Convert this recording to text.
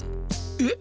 えっ！